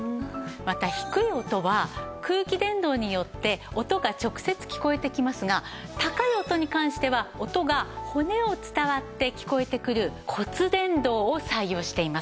また低い音は空気伝導によって音が直接聞こえてきますが高い音に関しては音が骨を伝わって聞こえてくる骨伝導を採用しています。